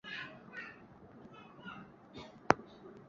এছাড়াও কয়েকটি অর্ধ-শতরানের কাছাকাছি রান পেয়েছিলেন।